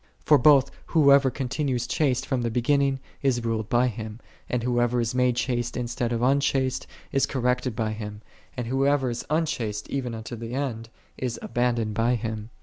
For both, whosoever continues chaste from the beginning, is ruled by Him; and whoso ever is made chaste instead of unchaste, is corrected by Him; and whosoever is unchaste even unto the end, is abandoned by Him.